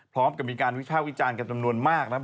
พร้อมกับมีการวิภาควิจารณ์กันจำนวนมากนะครับ